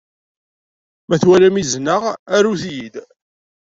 Ma twalam izen-a, arut-iyi-d.